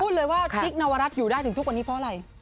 เลยว่ากิ๊กนวรัฐอยู่ได้ถึงทุกวันนี้เพราะอะไร